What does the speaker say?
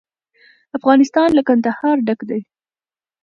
افغانستان له کندهار ډک دی.